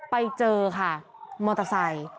ไปเจอค่ะมอเตอร์ไซค์